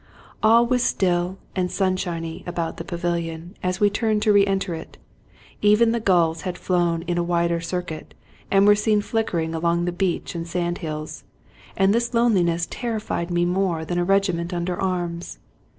All was still and sunshiny about the pavilion, as we turned to reenter it; even the gulls had flown in a wider circuit, and were seen flickering along the beach and sand hills ; and this loneliness terrified me more than a regiment under arms.